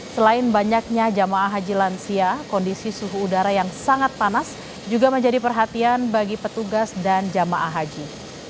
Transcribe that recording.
selain banyaknya jamaah haji lansia kondisi suhu udara yang sangat panas juga menjadi perhatian bagi petugas dan jamaah haji